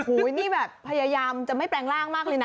โอ้โหนี่แบบพยายามจะไม่แปลงร่างมากเลยนะ